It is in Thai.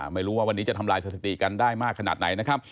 ไม่รู้ว่าวันนี้จะทำลายสถิติกันได้มากขนาดไหนนะครับ